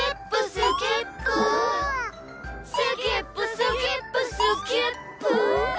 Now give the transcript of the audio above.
スキップスキップスキップゥ！